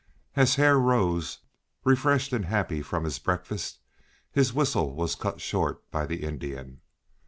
As Hare rose, refreshed and happy from his breakfast, his whistle was cut short by the Indian.